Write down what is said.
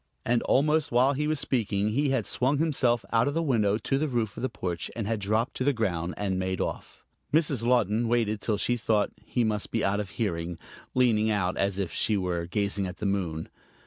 And almost while he was speaking he had swung himself out of the window to the roof of the porch and had dropped to the ground and made off. Mrs. Laughton waited till she thought he must be out of hearing, leaning out as if she were gazing at the moon.